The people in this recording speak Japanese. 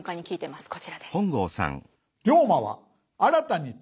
こちらです。